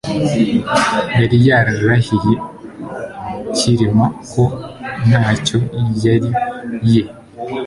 Yari yarahiriye Cyilima ko ntacyo yariye.